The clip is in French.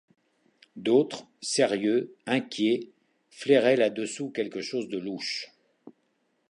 D'autres, sérieux, inquiets, flairaient là-dessous quelque chose de louche.